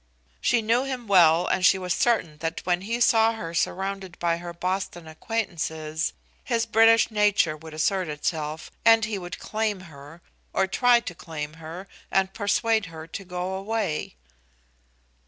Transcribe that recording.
She knew him well, and she was certain that when he saw her surrounded by her Boston acquaintances, his British nature would assert itself, and he would claim her, or try to claim her, and persuade her to go away.